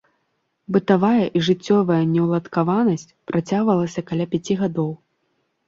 Бытавая і жыццёвая неўладкаванасць працягвалася каля пяці гадоў.